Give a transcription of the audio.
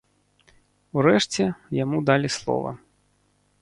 Урэшце, яму далі слова.